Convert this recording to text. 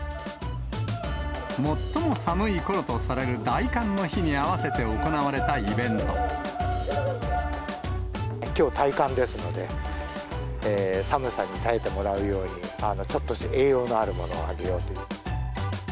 最も寒いころとされる大寒のきょう大寒ですので、寒さに耐えてもらうように、ちょっと栄養のあるものをあげようと。